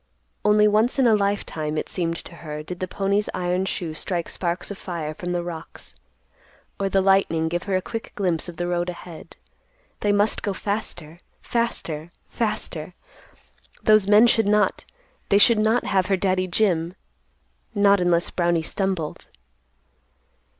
Only once in a lifetime, it seemed to her, did the pony's iron shoe strike sparks of fire from the rocks, or the lightning give her a quick glimpse of the road ahead. They must go faster, faster, faster. Those men should not—they should not have her Daddy Jim; not unless Brownie stumbled.